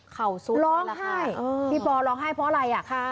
เขาซุดเลยค่ะร้องให้พี่ปอล์ร้องให้เพราะอะไร